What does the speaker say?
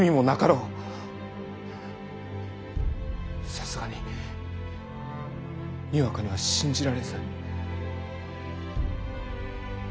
さすがににわかには信じられず。